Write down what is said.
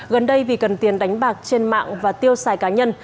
gần đây vì cần tiền đánh bạc trên mạng và tiêu xài cá nhân